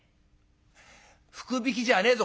「福引きじゃねえぞ